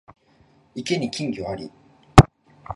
池に金魚あり